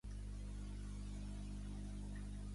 Ray H. va ser nomenat president al mateix temps.